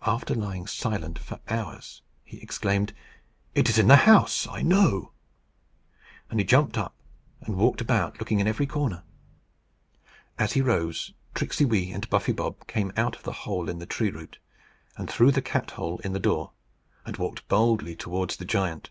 After lying silent for hours, he exclaimed, "It is in the house, I know!" And he jumped up and walked about, looking in every corner. As he rose, Tricksey Wee and Buffy Bob came out of the hole in the tree root, and through the cat hole in the door, and walked boldly towards the giant.